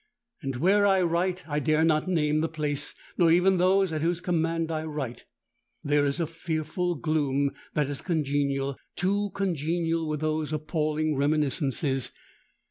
And where I write—I dare not name the place, nor even those at whose command I write—there is a fearful gloom that is congenial, too congenial with those appalling reminiscences.